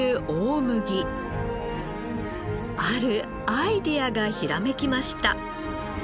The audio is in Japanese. あるアイデアがひらめきました。